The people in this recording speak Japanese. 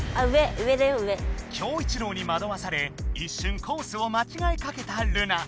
キョウイチロウにまどわされいっしゅんコースをまちがいかけたルナ。